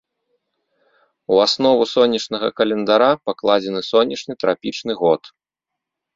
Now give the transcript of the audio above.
У аснову сонечнага календара пакладзены сонечны трапічны год.